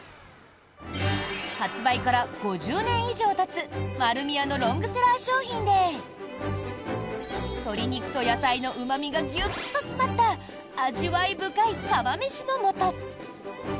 発売から５０年以上たつ丸美屋のロングセラー商品で鶏肉と野菜のうま味がギュッと詰まった味わい深い「釜めしの素」。